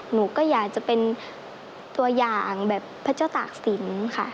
หนูก็อยากจะเป็นตัวอย่างแบบพระเจ้าตากศิลป์ค่ะ